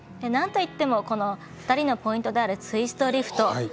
なんといっても２人のポイントであるツイストリフト。